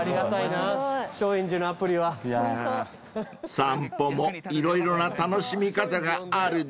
［散歩も色々な楽しみ方があるんですね］